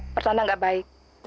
pertanda gak baik